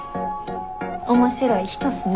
面白い人っすね。